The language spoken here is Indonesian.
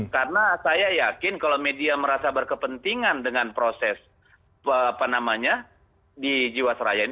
karena saya yakin kalau media merasa berkepentingan dengan proses apa namanya di jiwasraya ini